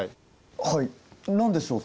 はい何でしょう？